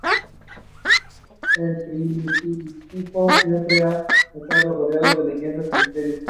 El Crucifijo siempre ha estado rodeado de leyendas y misterios.